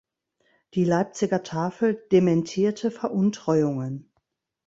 Die Leipziger Tafel dementierte Veruntreuungen.